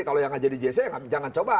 kalau yang tidak jadi jsc jangan coba